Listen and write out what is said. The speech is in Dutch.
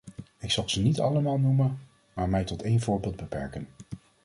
Ik zal ze niet allemaal noemen, maar mij tot één voorbeeld beperken.